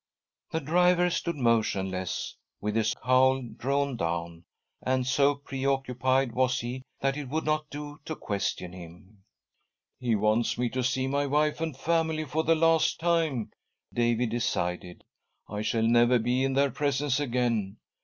The driver stood motionless, with his cowl drawn down, and so preoccupied was he that it would not do to question him. ." He wants me to see my wife and family for the • last time," David decided. " I shall never be in ; their presence again.